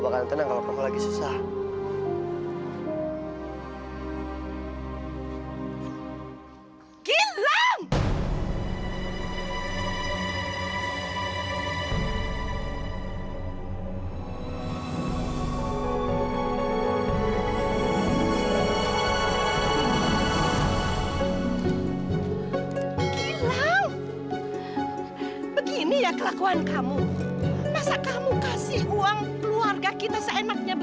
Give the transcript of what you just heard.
kamu harus seperti kamu sendiri terhadap saya